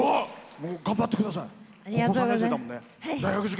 頑張ってください。